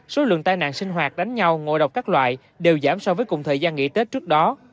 số lượng tai nạn sinh hoạt đánh nhau ngộ độc các loại đều giảm so với cùng thời gian nghỉ tết trước đó